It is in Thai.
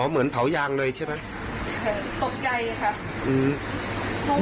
เหมือนเผายางเลยใช่ไหมตกใจค่ะอืม